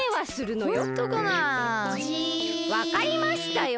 わかりましたよ！